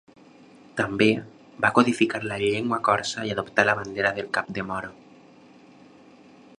També va codificar la llengua corsa i adoptà la bandera del cap de moro.